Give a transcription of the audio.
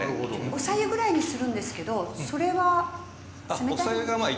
お白湯ぐらいにするんですけどそれは冷たい方がいい？